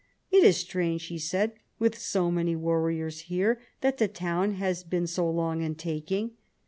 "It is strange," he said, "with so many warriors here, that the town has been so long in taking."